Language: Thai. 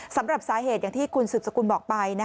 สำหรับสาเหตุอย่างที่คุณสืบสกุลบอกไป